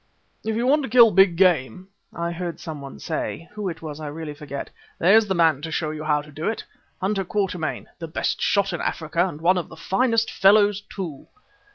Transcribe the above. "If you want to kill big game," I heard some one say, who it was I really forget, "there's the man to show you how to do it Hunter Quatermain; the best shot in Africa and one of the finest fellows, too."